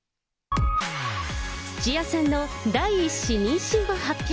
土屋さんの第１子妊娠を発表。